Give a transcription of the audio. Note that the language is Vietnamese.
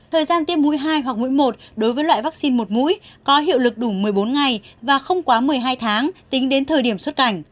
thời gian tiêm mũi hai hoặc mũi một đối với loại vaccine một mũi có hiệu lực đủ một mươi bốn ngày và không quá một mươi hai tháng tính đến thời điểm xuất cảnh